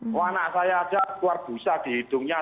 kok anak saya saja keluar busa di hidungnya